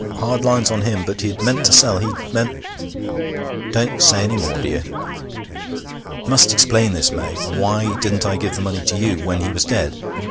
Hard lines on him, but he'd meant to sell.... He'd meant ' 'Don't say any more, dear.' 'Must explain this, May. Why didn't I give the money to you ... when he was dead?...